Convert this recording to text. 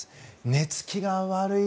寝付きが悪い。